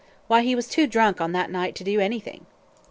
Why, he was too drunk on that night to do anything."